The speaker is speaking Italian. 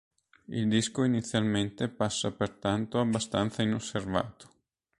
Il disco inizialmente passa pertanto abbastanza inosservato.